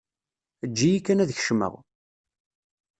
Eǧǧ-iyi kan ad kecmeɣ.